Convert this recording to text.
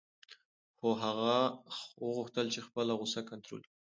خو هغه وغوښتل چې خپله غوسه کنټرول کړي.